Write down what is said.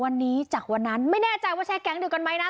วันนี้จากวันนั้นไม่แน่ใจว่าใช่แก๊งเดียวกันไหมนะ